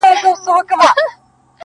نه، نه! اور د ژوندانه سي موږ ساتلای!!